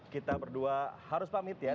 kita berdua harus pamit ya dari good morning